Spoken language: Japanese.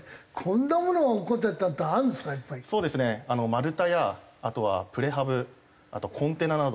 丸太やあとはプレハブあとはコンテナなど。